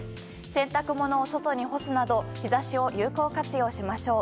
洗濯物を外に干すなど日差しを有効活用しましょう。